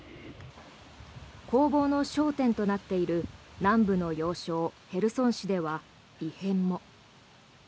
攻防の焦点となっている南部の要衝ヘルソン市では異変も。